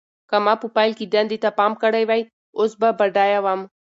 که ما په پیل کې دندې ته پام کړی وای، اوس به بډایه وم.